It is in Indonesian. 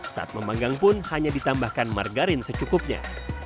saat memanggang pun hanya ditambahkan margarin secukupnya